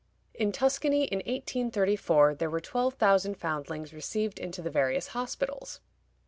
In Tuscany, in 1834, there were twelve thousand foundlings received into the various hospitals.